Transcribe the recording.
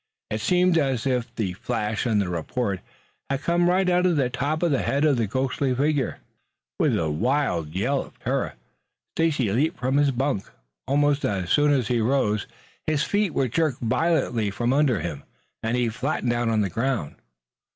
It seemed as if the flash and the report had come right out of the top of the head of the ghostly figure. With a wild yell of terror Stacy Brown leaped from his bunk. Almost as soon as he rose, his feet were jerked violently from under him and he flattened out on the ground.